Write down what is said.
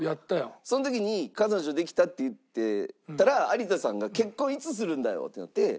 その時に「彼女できた」って言ったら有田さんが「結婚いつするんだよ？」って言われて。